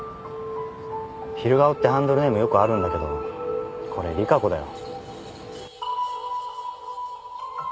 昼顔ってハンドルネームよくあるんだけどこれ利佳子だよ。